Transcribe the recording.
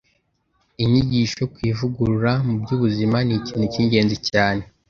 inyigisho ku ivugurura mu by’ubuzima ni ikintu cy’ingenzi cyane.